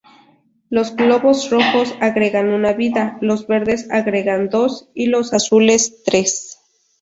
Los globos Rojos agregan una vida; los Verdes agregan dos; y los Azules, tres.